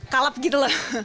kalep gitu loh